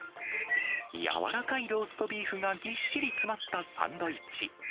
柔らかいローストビーフがぎっしり詰まったサンドイッチ。